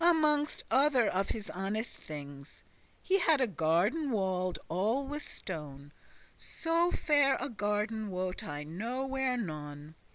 Amonges other of his honest things He had a garden walled all with stone; So fair a garden wot I nowhere none.